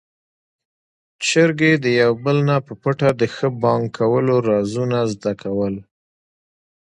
چرګې د يو بل نه په پټه د ښه بانګ کولو رازونه زده کول.